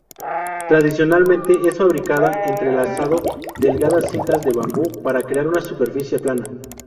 Tradicionalmente es fabricada entrelazando delgadas cintas de bambú para crear una superficie plana.